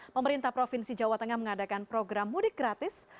pemerintah provinsi jawa tengah mengadakan program mudik gratis